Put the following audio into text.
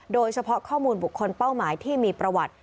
โดยเฉพาะข้อมูลบุคคลเป้าหมายที่มีประวัติ